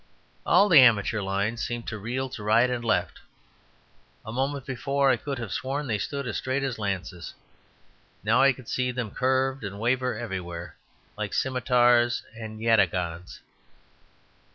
All the amateur lines seemed to reel to right and left. A moment before I could have sworn they stood as straight as lances; now I could see them curve and waver everywhere, like scimitars and yataghans.